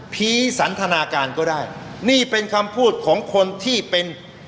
สันทนาการก็ได้นี่เป็นคำพูดของคนที่เป็น